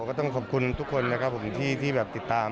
ก็ต้องขอบคุณทุกคนนะครับผมที่แบบติดตาม